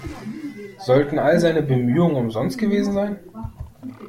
Sollten all seine Bemühungen umsonst gewesen sein?